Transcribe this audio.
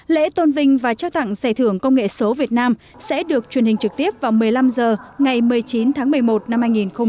lễ tôn vinh và trao tặng giải thưởng công nghệ số việt nam sẽ được truyền hình trực tiếp vào một mươi năm h ngày một mươi chín tháng một mươi một năm hai nghìn một mươi chín